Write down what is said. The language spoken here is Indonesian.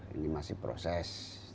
ini masih proses